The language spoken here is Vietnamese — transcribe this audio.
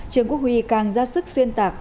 trương quốc huy càng ra sức xuyên tạc